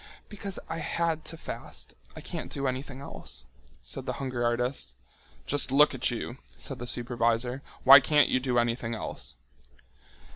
"Because I had to fast. I can't do anything else," said the hunger artist. "Just look at you," said the supervisor, "why can't you do anything else?"